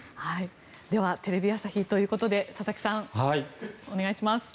ではテレビ朝日ということで佐々木さん、お願いします。